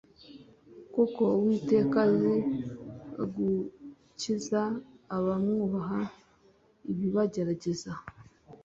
«Kuko Uwiteka azi gukiza abamwubaha ibibagerageza.»